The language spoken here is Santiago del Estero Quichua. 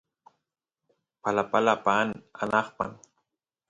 palapala paan anqman